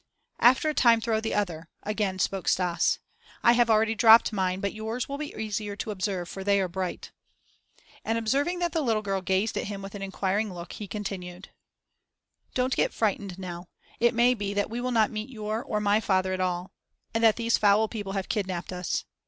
"After a time, throw the other," again spoke Stas. "I already have dropped mine, but yours will be easier to observe for they are bright." And observing that the little girl gazed at him with an inquiring look, he continued: "Don't get frightened, Nell. It may be that we will not meet your or my father at all and that these foul people have kidnapped us.